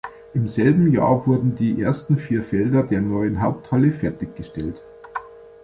Im selben Jahr wurden die ersten vier Felder der neuen Haupthalle fertiggestellt.